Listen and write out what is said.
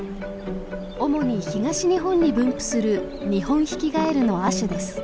主に東日本に分布するニホンヒキガエルの亜種です。